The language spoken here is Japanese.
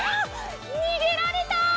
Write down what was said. にげられた！